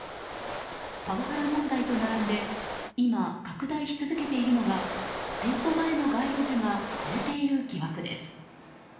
パワハラ問題と並んで今、拡大し続けているのが店舗前の街路樹が枯れている疑惑です。